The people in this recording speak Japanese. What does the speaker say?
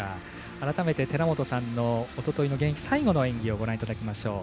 改めて寺本さんのおとといの最後の演技をご覧いただきましょう。